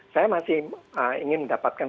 saya masih ingin mendapatkan